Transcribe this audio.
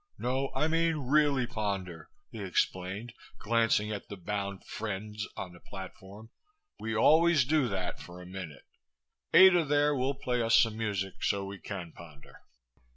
No, I mean really ponder," he explained, glancing at the bound "friends" on the platform. "We always do that for a minute. Ada there will play us some music so we can ponder."